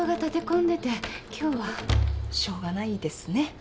しょうがないですね。